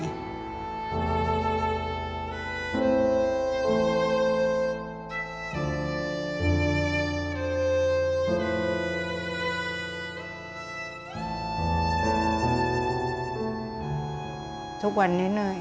ทุกวันนิดหน่อยเราต้องรับผิดชอบคนเดียว